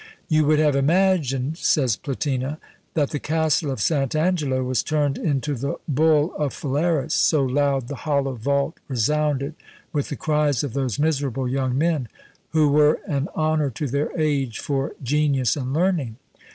"You would have imagined," says Platina, "that the castle of St. Angelo was turned into the bull of Phalaris, so loud the hollow vault resounded with the cries of those miserable young men, who were an honour to their age for genius and learning.